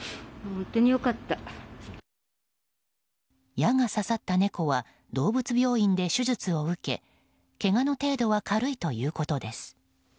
矢が刺さった猫は動物病院で手術を受けけがの程度は軽いということです。